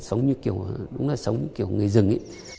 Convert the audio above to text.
sống như kiểu người rừng